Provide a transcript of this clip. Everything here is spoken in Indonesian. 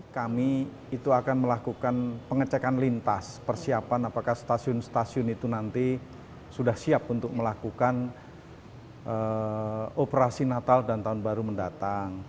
kami itu akan melakukan pengecekan lintas persiapan apakah stasiun stasiun itu nanti sudah siap untuk melakukan operasi natal dan tahun baru mendatang